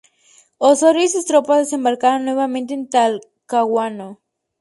Osorio y sus tropas desembarcaron nuevamente en Talcahuano.